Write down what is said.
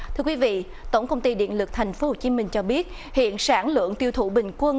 thưa quý vị tổng công ty điện lực tp hcm cho biết hiện sản lượng tiêu thụ bình quân